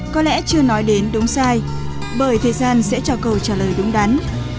có lẽ chưa nói đến đúng sai bởi thời gian sẽ cho câu trả lời đúng đắn